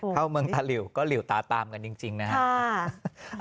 เข้าเมืองตาหลิวก็หลิวตาตามกันจริงนะครับ